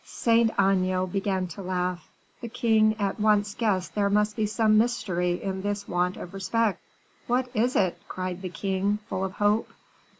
Saint Aignan began to laugh. The king at once guessed there must be some mystery in this want of respect. "What is it?" cried the king, full of hope.